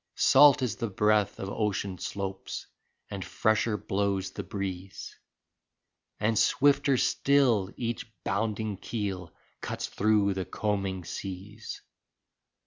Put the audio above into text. Salt is the breath of ocean slopes and fresher blows the breeze, And swifter still each bounding keel cuts through the combing seas.